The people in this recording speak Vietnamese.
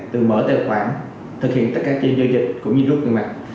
từ mở tài khoản thực hiện tất cả trên do dịch cũng như rút ngân mặt